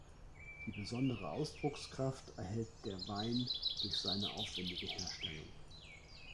Die besondere Ausdruckskraft erhält der Wein durch seine aufwändige Herstellung.